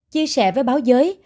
chia sẻ với báo giới